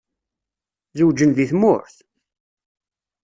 Zewǧen deg tmurt?